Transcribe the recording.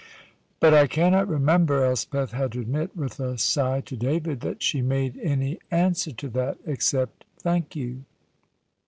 "But I cannot remember," Elspeth had to admit, with a sigh, to David, "that she made any answer to that, except 'Thank you.'"